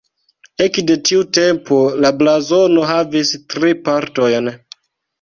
Ekde tiu tempo la blazono havis tri partojn.